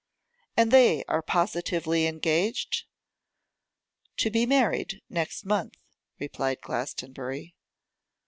'And they are positively engaged?' 'To be married next month,' replied Glastonbury.